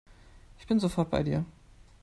Ich bin sofort bei dir.